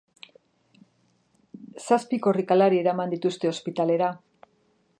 Zazpi korrikalari eraman dituzte ospitalera.